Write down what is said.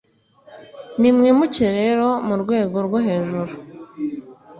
nimwimuke rero murwego rwo hejuru